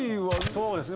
そうですね。